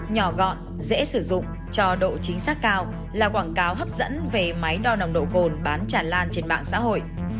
nhỏ gọn dễ sử dụng cho độ chính xác cao là quảng cáo hấp dẫn về máy đo nồng độ cồn bán tràn lan trên mạng xã hội